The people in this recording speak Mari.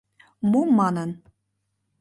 — Мом манын?